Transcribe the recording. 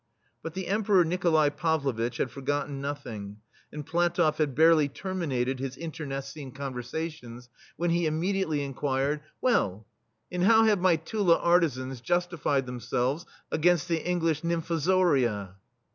But the Emperor Nikolai Pavlovitch had forgotten nothing, and PlatofF had barely terminated his internecine con THE STEEL FLEA versations, when he immediately in quired :" Well, and how have my Tula artisans justified themselves against the English nymfozoria?"